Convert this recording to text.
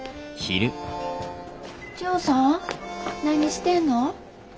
何してんの？